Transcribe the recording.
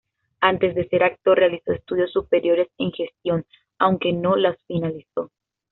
Antes de ser actor, realizó estudios superiores en gestión, aunque no los finalizó.